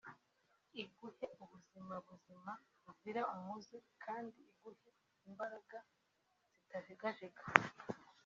iguhe ubuzima buzima buzira umuze kandi iguhe imbaraga zitajegajega